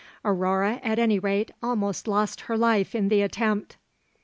Aurore, at any rate, almost lost her life in the attempt.